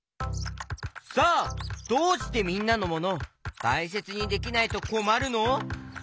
さあどうしてみんなのモノたいせつにできないとこまるの？